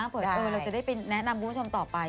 เออเราจะได้ไปแนะนำคุณผู้ชมต่อไป